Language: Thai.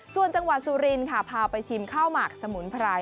ส่วนจังหวัดสุรินค่ะพาไปชิมข้าวหมักสมุนไพร